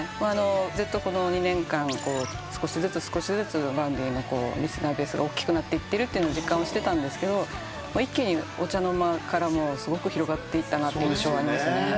ずっとこの２年間少しずつ少しずつＶａｕｎｄｙのリスナーベースが大きくなっていってるって実感してたんですけど一気にお茶の間からもすごく広がっていったって印象ありますね。